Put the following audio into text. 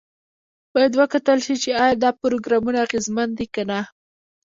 باید وکتل شي چې ایا دا پروګرامونه اغیزمن دي که نه.